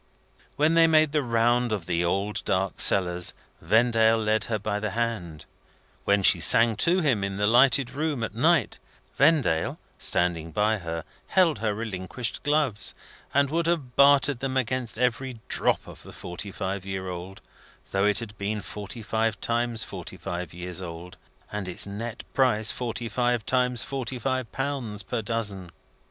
When they made the round of the old dark cellars, Vendale led her by the hand; when she sang to him in the lighted room at night, Vendale, standing by her, held her relinquished gloves, and would have bartered against them every drop of the forty five year old, though it had been forty five times forty five years old, and its nett price forty five times forty five pounds per dozen.